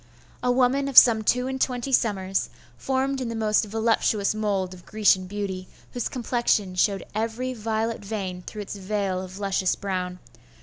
A woman of some two and twenty summers, formed in the most voluptuous mould of Grecian beauty, whose complexion showed every violet vein through its veil of luscious brown.